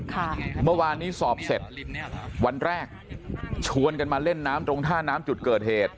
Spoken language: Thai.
เมื่อวานนี้สอบเสร็จวันแรกชวนกันมาเล่นน้ำตรงท่าน้ำจุดเกิดเหตุ